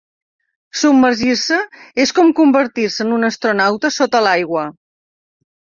Submergir-se és com convertir-se en un astronauta sota l'aigua.